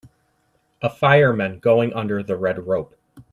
A fireman going under the red rope.